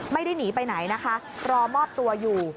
ไม่ได้หนีไปไหนนะคะรอมอบตัวอยู่